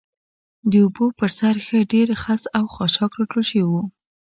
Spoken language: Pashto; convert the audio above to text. د اوبو پر سر ښه ډېر خس او خاشاک راټول شوي و.